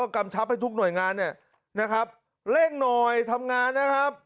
กำชับให้ทุกหน่วยงานเนี่ยนะครับเร่งหน่อยทำงานนะครับ